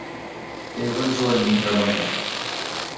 ئێوە زۆر میهرەبانن.